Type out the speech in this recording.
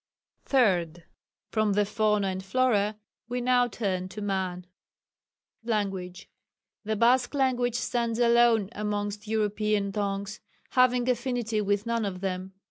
Third. From the fauna and flora we now turn to man. Language. The Basque language stands alone amongst European tongues, having affinity with none of them.